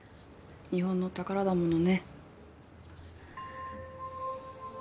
日本の宝だものね。